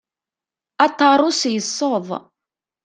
Aṭarus yesseḍ.